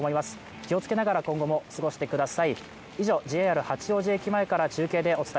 気を付けながら今後も過ごしてください。